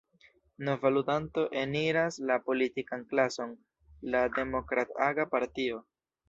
Nova ludanto eniras la politikan klason: la Demokrat-aga Partio.